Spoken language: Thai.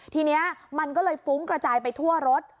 ทีนี้มันก็เลยฟุ้งกระจายไปทั่วรถ